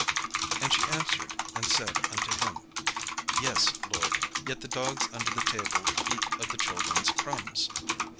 And she answered and said unto him: "Yes, Lord: yet the dogs under the table eat of the children's crumbs."